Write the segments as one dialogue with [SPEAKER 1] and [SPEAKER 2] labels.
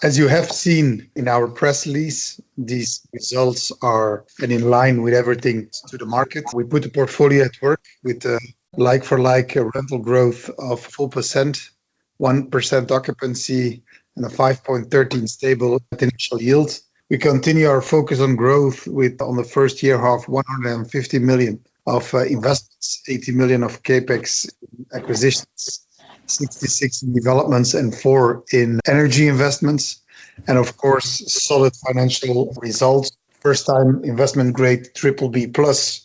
[SPEAKER 1] As you have seen in our press release, these results are in line with everything to the market. We put the portfolio at work with a like-for-like rental growth of 4%, 1% occupancy, and a 5.13% stable potential yield. We continue our focus on growth with, in the first half, 150 million of investments, 80 million of CapEx acquisitions, 66 million in developments, and 4 million in energy investments. And of course, solid financial results. First-time Investment grade BBB+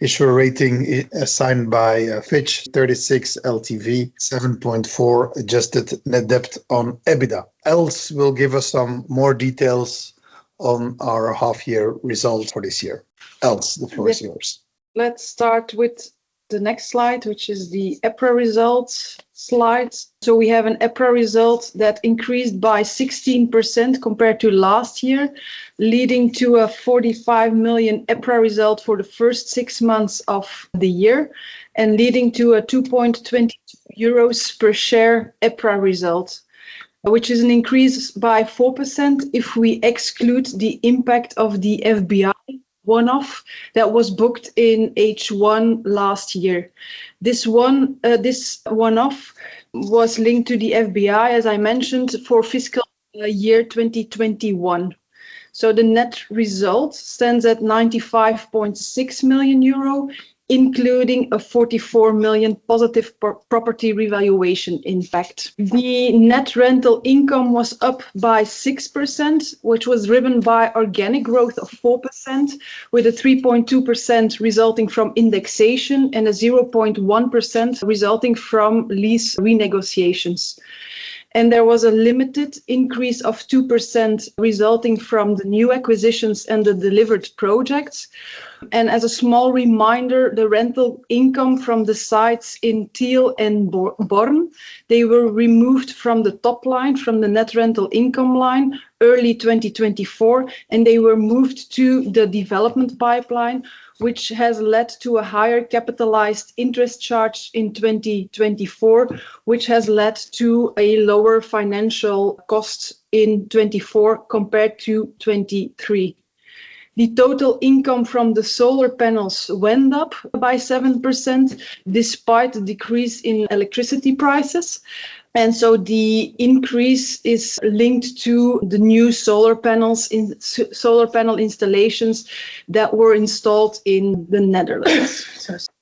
[SPEAKER 1] issuer rating assigned by Fitch, 36% LTV, 7.4 adjusted net debt on EBITDA. Els will give us some more details on our half-year results for this year. Els, the floor is yours.
[SPEAKER 2] Let's start with the next slide, which is the EPRA results slide. We have an EPRA result that increased by 16% compared to last year, leading to a 45 million EPRA result for the first 6 months of the year, and leading to a 2.22 euros per share EPRA result, which is an increase by 4% if we exclude the impact of the FBI one-off that was booked in H1 last year. This one, this one-off was linked to the FBI, as I mentioned, for fiscal year 2021. The net result stands at 95.6 million euro, including a 44 million positive property revaluation impact.
[SPEAKER 1] The net rental income was up by 6%, which was driven by organic growth of 4%, with a 3.2% resulting from indexation and a 0.1% resulting from lease renegotiations. There was a limited increase of 2% resulting from the new acquisitions and the delivered projects. As a small reminder, the rental income from the sites in Tiel and Born, they were removed from the top line, from the net rental income line, early 2024, and they were moved to the development pipeline, which has led to a higher capitalized interest charge in 2024, which has led to a lower financial cost in 2024 compared to 2023. The total income from the solar panels went up by 7%, despite a decrease in electricity prices. So the increase is linked to the new solar panels in... Solar panel installations that were installed in the Netherlands.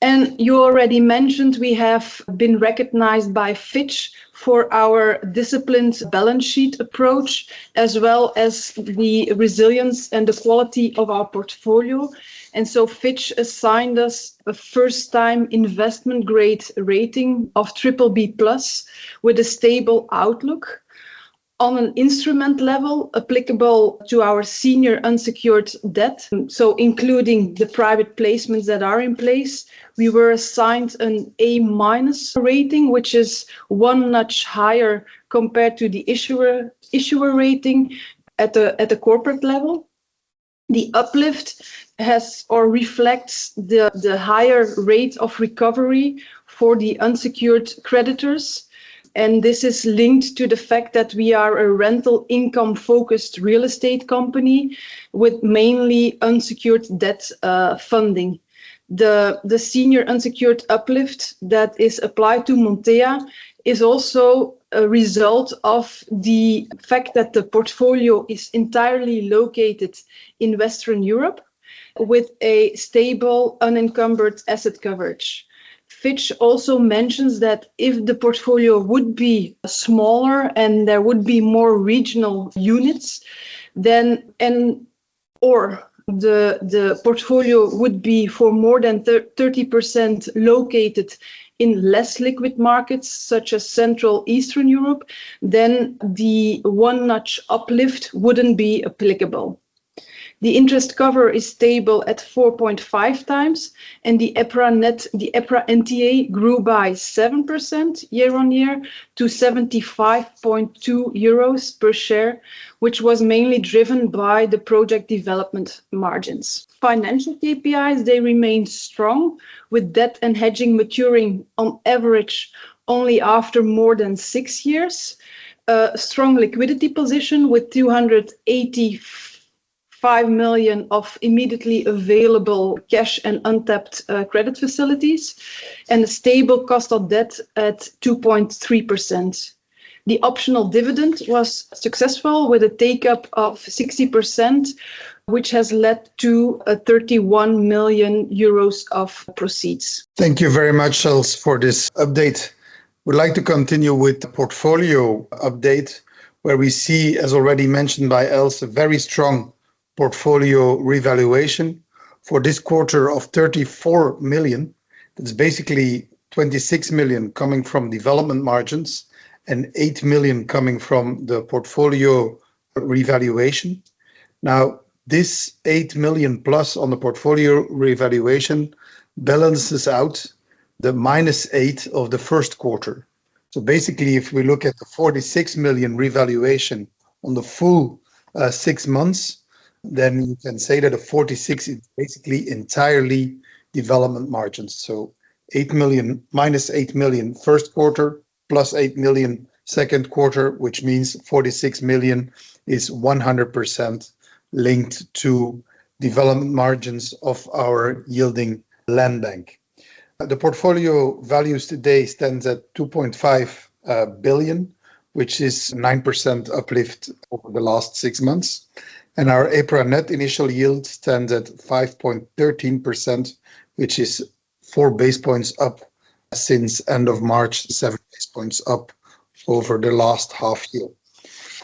[SPEAKER 1] And you already mentioned, we have been recognized by Fitch for our disciplined balance sheet approach, as well as the resilience and the quality of our portfolio. And so Fitch assigned us a first-time investment grade rating of BBB+ with a stable outlook. On an instrument level, applicable to our senior unsecured debt, so including the private placements that are in place, we were assigned an A- minus rating, which is one notch higher compared to the issuer rating at the corporate level. The uplift has or reflects the higher rate of recovery for the unsecured creditors, and this is linked to the fact that we are a rental income-focused real estate company with mainly unsecured debt funding. The senior unsecured uplift that is applied to Montea is also a result of the fact that the portfolio is entirely located in Western Europe, with a stable unencumbered asset coverage. Fitch also mentions that if the portfolio would be smaller and there would be more regional units then and/or the portfolio would be for more than 30% located in less liquid markets, such as Central and Eastern Europe, then the one-notch uplift wouldn't be applicable. The interest cover is stable at 4.5x, and the EPRA NTA grew by 7% year-on-year to 75.2 euros per share, which was mainly driven by the project development margins. Financial KPIs, they remained strong, with debt and hedging maturing on average only after more than 6 years. Strong liquidity position, with 285 million of immediately available cash and untapped credit facilities, and a stable cost of debt at 2.3%. The optional dividend was successful, with a take-up of 60%, which has led to 31 million euros of proceeds. Thank you very much, Els, for this update. We'd like to continue with the portfolio update, where we see, as already mentioned by Els, a very strong portfolio revaluation for this quarter of 34 million. That's basically 26 million coming from development margins and 8 million coming from the portfolio revaluation. Now, this 8 million plus on the portfolio revaluation balances out the minus 8 million of the first quarter. So basically, if we look at the 46 million revaluation on the full 6 months, then you can say that the 46 is basically entirely development margins. So 8 million, minus 8 million first quarter, plus 8 million second quarter, which means 46 million is 100% linked to development margins of our yielding land bank. The portfolio values today stands at 2.5 billion, which is 9% uplift over the last 6 months, and our EPRA Net Initial Yield stands at 5.13%, which is 4 basis points up since end of March, 7 basis points up over the last half-year.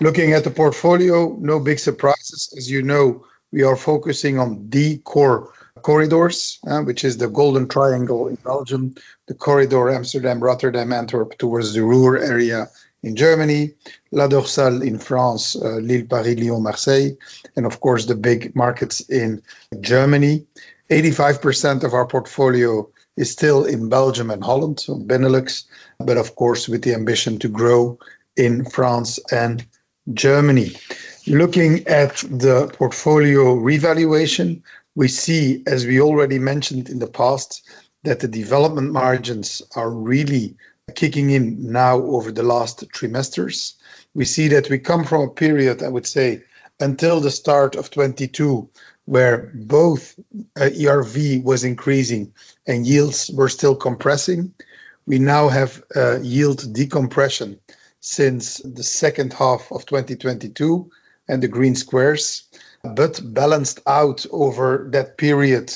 [SPEAKER 1] Looking at the portfolio, no big surprises. As you know, we are focusing on the core corridors, which is the Golden Triangle in Belgium, the corridor Amsterdam, Rotterdam, Antwerp, towards the Ruhr area in Germany. La Dorsale in France, Lille, Paris, Lyon, Marseille, and of course, the big markets in Germany. 85% of our portfolio is still in Belgium and Holland, so Benelux, but of course, with the ambition to grow in France and Germany. Looking at the portfolio revaluation, we see, as we already mentioned in the past, that the development margins are really kicking in now over the last 3 semesters. We see that we come from a period, I would say, until the start of 2022, where both, ERV was increasing and yields were still compressing. We now have, yield decompression since the second half of 2022, and the green squares, but balanced out over that period,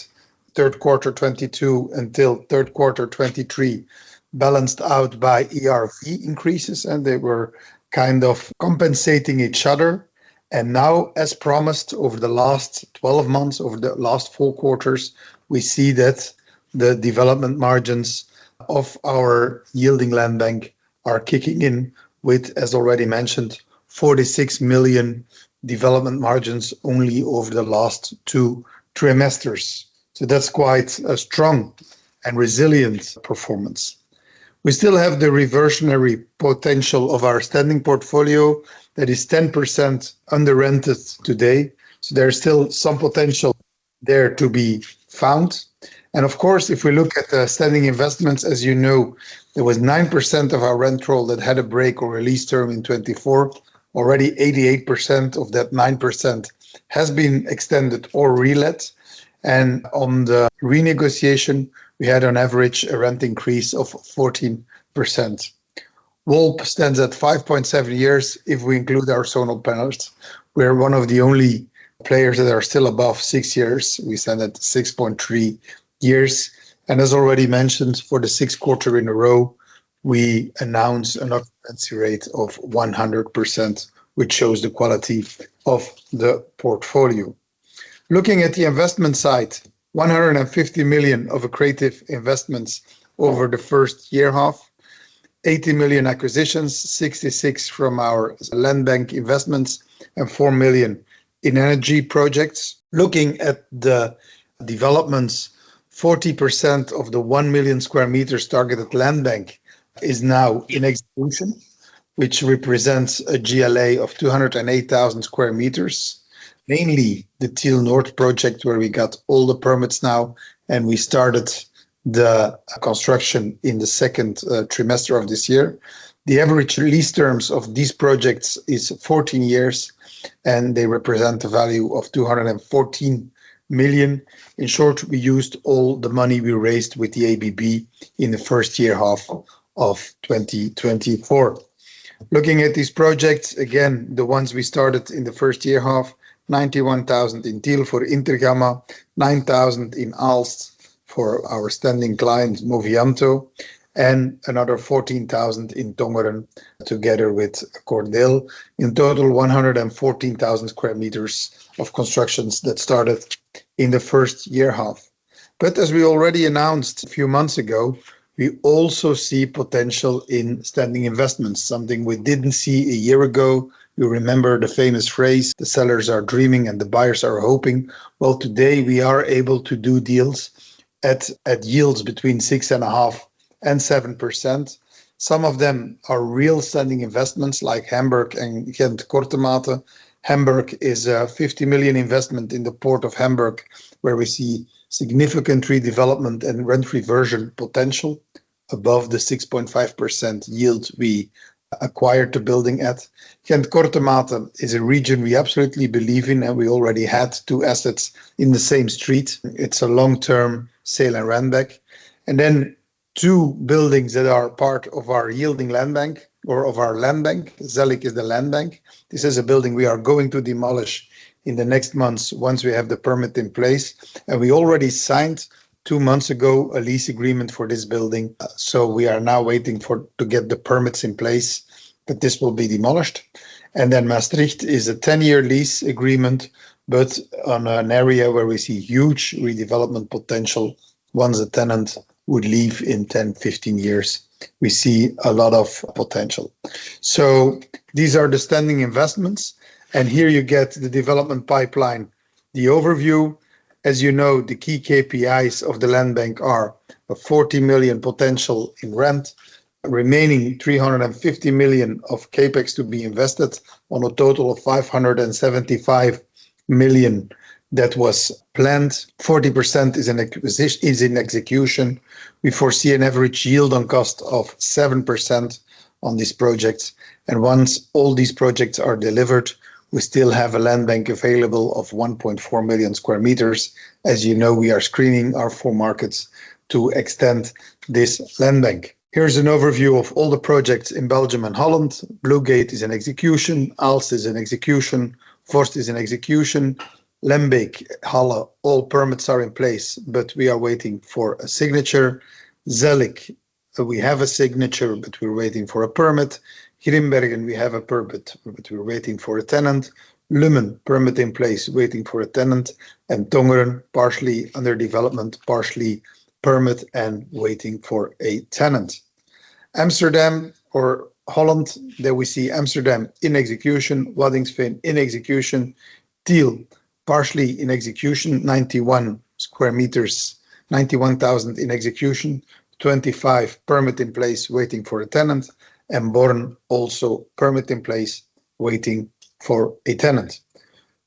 [SPEAKER 1] third quarter 2022 until third quarter 2023, balanced out by ERV increases, and they were kind of compensating each other. And now, as promised, over the last 12 months, over the last 4 quarters, we see that the development margins of our yielding land bank are kicking in with, as already mentioned, 46 million development margins only over the last 2 trimesters. So that's quite a strong and resilient performance. We still have the reversionary potential of our standing portfolio. That is 10% under rented today, so there is still some potential there to be found. And of course, if we look at the standing investments, as you know, there was 9% of our rent roll that had a break or release term in 2024. Already, 88% of that 9% has been extended or relet. And on the renegotiation, we had on average a rent increase of 14%. WALT stands at 5.7 years if we include our solar panels. We're one of the only players that are still above 6 years. We stand at 6.3 years, and as already mentioned, for the sixth quarter in a row, we announced an occupancy rate of 100%, which shows the quality of the portfolio. Looking at the investment side, 150 million of accretive investments over the first half. 80 million acquisitions, 66 million from our land bank investments, and 4 million in energy projects. Looking at the developments, 40% of the 1 million sq m targeted land bank is now in execution, which represents a GLA of 208,000 sq m, mainly the Tiel North project, where we got all the permits now, and we started the construction in the second quarter of this year. The average lease terms of these projects is 14 years, and they represent a value of 214 million. In short, we used all the money we raised with the ABB in the first year half of 2024. Looking at these projects, again, the ones we started in the first year half, 91,000 in Tiel for Intergamma, 9,000 in Aalst for our standing client, Movianto, and another 14,000 in Tongeren, together with Cordeel. In total, 114,000 sq m of constructions that started in the first year half. But as we already announced a few months ago, we also see potential in standing investments, something we didn't see a year ago. You remember the famous phrase: "The sellers are dreaming, and the buyers are hoping"? Well, today we are able to do deals at yields between 6.5% and 7%. Some of them are real standing investments like Hamburg and Ghent-Kortemark. Hamburg is a 50 million investment in the Port of Hamburg, where we see significant redevelopment and rent reversion potential above the 6.5% yield we acquired the building at. Ghent-Kortemark is a region we absolutely believe in, and we already had two assets in the same street. It's a long-term sale-and-rent-back, and then two buildings that are part of our yielding land bank or of our land bank. Zellik is the land bank. This is a building we are going to demolish in the next months once we have the permit in place, and we already signed two months ago a lease agreement for this building, so we are now waiting to get the permits in place, but this will be demolished. And then Maastricht is a 10-year lease agreement, but on an area where we see huge redevelopment potential once the tenant would leave in 10,15 years. We see a lot of potential. So these are the standing investments, and here you get the development pipeline. The overview, as you know, the key KPIs of the land bank are a 40 million potential in rent, remaining 350 million of CapEx to be invested on a total of 575 million that was planned. 40% is in execution. We foresee an average yield-on-cost of 7% on this project, and once all these projects are delivered, we still have a land bank available of 1.4 million sq m. As you know, we are screening our 4 markets to extend this land bank. Here's an overview of all the projects in Belgium and Holland. Blue Gate is in execution, Aalst is in execution, Vorst is in execution. Lembeek, Halle, all permits are in place, but we are waiting for a signature. Zellik, we have a signature, but we're waiting for a permit. Grimbergen, we have a permit, but we're waiting for a tenant. Lummen, permit in place, waiting for a tenant, and Dongen, partially under development, partially permit and waiting for a tenant. Amsterdam or Holland, there we see Amsterdam in execution, Waddinxveen in execution, Tiel partially in execution, 91 sq m, 91,000 in execution, 25 permit in place, waiting for a tenant, and Born also permit in place, waiting for a tenant.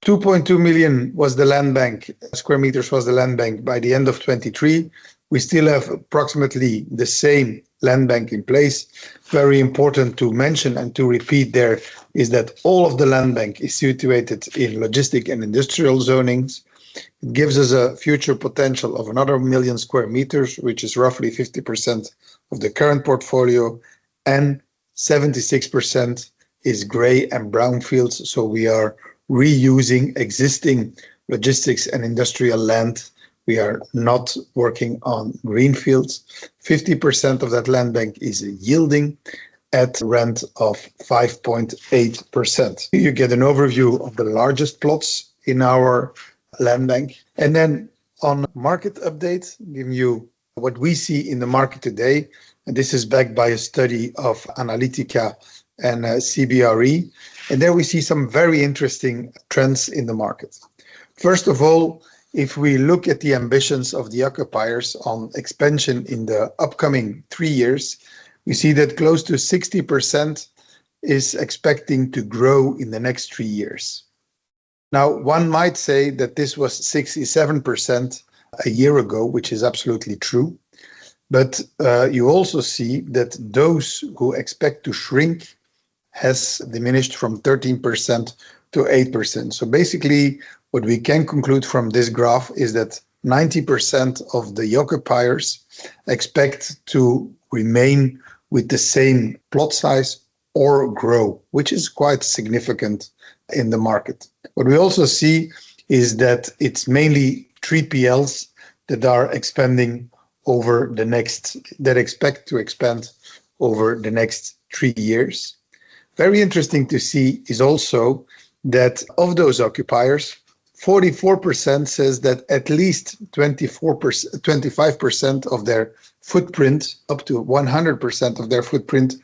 [SPEAKER 1] 2.2 million was the land bank square meters was the land bank by the end of 2023. We still have approximately the same land bank in place. Very important to mention and to repeat there is that all of the land bank is situated in logistic and industrial zonings. It gives us a future potential of another 1 million sq m, which is roughly 50% of the current portfolio, and 76% is gray and brown fields, so we are reusing existing logistics and industrial land. We are not working on green fields. 50% of that land bank is yielding at rent of 5.8%. You get an overview of the largest plots in our land bank, and then on market update, giving you what we see in the market today, and this is backed by a study of Analytiqa and CBRE, and there we see some very interesting trends in the market. First of all, if we look at the ambitions of the occupiers on expansion in the upcoming three years, we see that close to 60% is expecting to grow in the next three years. Now, one might say that this was 67% a year ago, which is absolutely true, but you also see that those who expect to shrink has diminished from 13% to 8%. So basically, what we can conclude from this graph is that 90% of the occupiers expect to remain with the same plot size or grow, which is quite significant in the market. What we also see is that it's mainly 3PLs that are expanding over the next- that expect to expand over the next three years. Very interesting to see is also that of those occupiers, 44% says that at least 25% of their footprint, up to 100% of their footprint,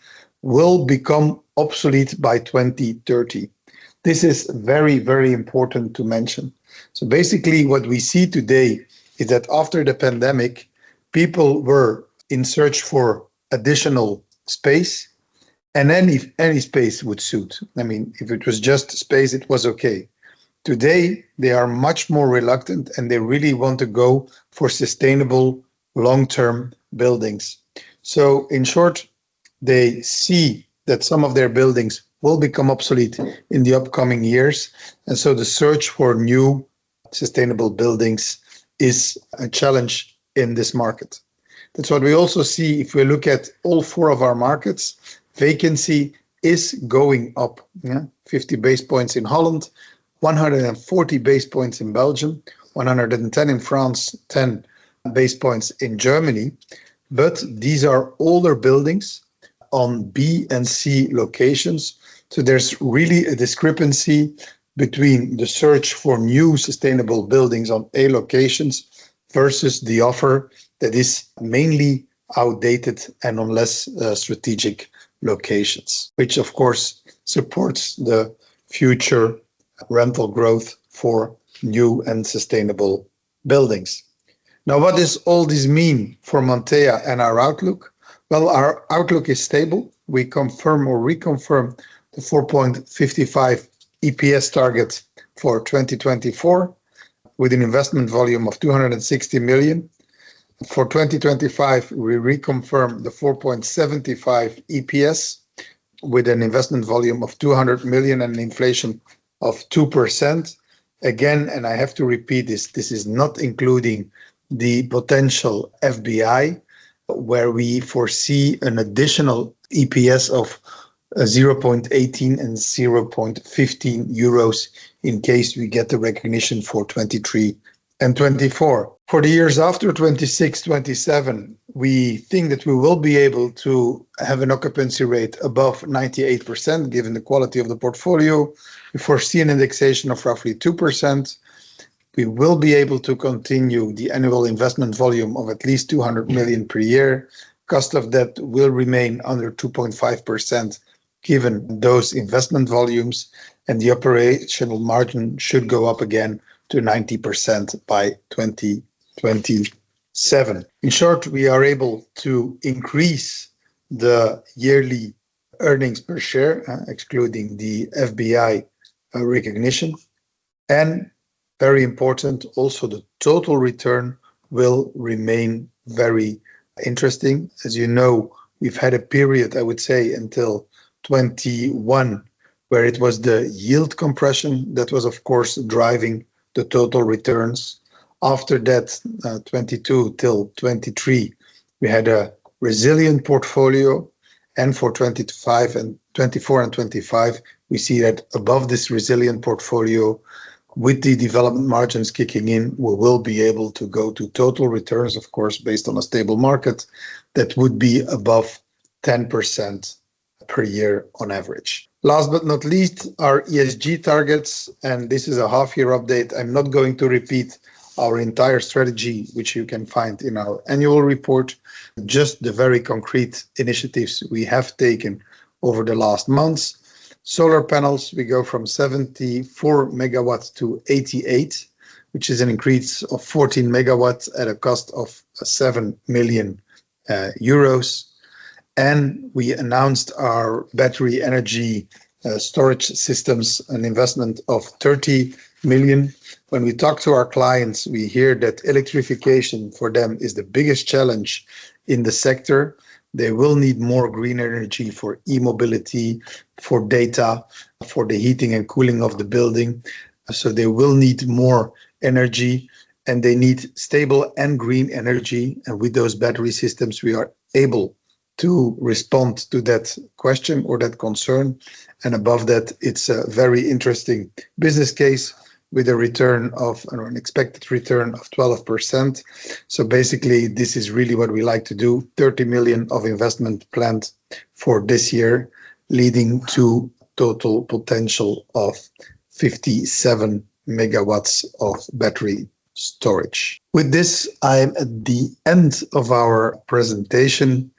[SPEAKER 1] will become obsolete by 2030. This is very, very important to mention. So basically, what we see today is that after the pandemic, people were in search for additional space, and any, any space would suit. I mean, if it was just space, it was okay. Today, they are much more reluctant, and they really want to go for sustainable, long-term buildings. So in short, they see that some of their buildings will become obsolete in the upcoming years, and so the search for new sustainable buildings is a challenge in this market. That's what we also see if we look at all four of our markets. Vacancy is going up. Yeah, 50 basis points in Holland, 140 basis points in Belgium, 110 in France, 10 basis points in Germany, but these are older buildings on B and C locations. So there's really a discrepancy between the search for new sustainable buildings on A locations versus the offer that is mainly outdated and on less, strategic locations, which of course, supports the future rental growth for new and sustainable buildings. Now, what does all this mean for Montea and our outlook? Our outlook is stable. We confirm or reconfirm the 4.55 EPS targets for 2024, with an investment volume of 260 million. For 2025, we reconfirm the 4.75 EPS, with an investment volume of 200 million and an inflation of 2%. Again, and I have to repeat this, this is not including the potential FBI, where we foresee an additional EPS of 0.18 and 0.15 in case we get the recognition for 2023 and 2024. For the years after, 2026, 2027, we think that we will be able to have an occupancy rate above 98%, given the quality of the portfolio. We foresee an indexation of roughly 2%. We will be able to continue the annual investment volume of at least 200 million per year. Cost of debt will remain under 2.5%, given those investment volumes, and the operational margin should go up again to 90% by 2027. In short, we are able to increase the yearly earnings per share, excluding the FBI recognition. And very important also, the total return will remain very interesting. As you know, we've had a period, I would say, until 2021, where it was the yield compression that was, of course, driving the total returns. After that, 2022 till 2023, we had a resilient portfolio, and for 2024 and 2025, we see that above this resilient portfolio. With the development margins kicking in, we will be able to go to total returns, of course, based on a stable market that would be above 10% per year on average. Last but not least, our ESG targets, and this is a half-year update. I'm not going to repeat our entire strategy, which you can find in our annual report, just the very concrete initiatives we have taken over the last months. Solar panels, we go from 74 MW to 88 MW, which is an increase of 14 MW at a cost of 7 million euros. We announced our battery energy storage systems, an investment of 30 million. When we talk to our clients, we hear that electrification for them is the biggest challenge in the sector. They will need more green energy for e-mobility, for data, for the heating and cooling of the building. They will need more energy, and they need stable and green energy, and with those battery systems, we are able to respond to that question or that concern. Above that, it's a very interesting business case, with a return of... or an expected return of 12%. Basically, this is really what we like to do. 30 million of investment planned for this year, leading to total potential of 57 MW of battery storage. With this, I'm at the end of our presentation.